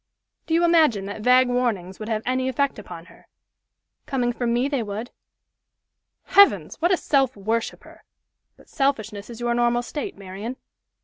"Do you imagine that vague warnings would have any effect upon her?" "Coming from me they would." "Heavens! What a self worshiper! But selfishness is your normal state, Marian!